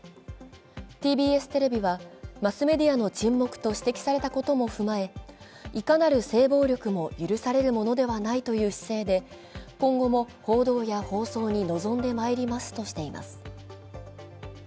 ＴＢＳテレビは、マスメディアの沈黙と指摘されたことも含め、いかなる性暴力も許されるものではないという姿勢で今後も報道や放送に臨んでまいりますとしています。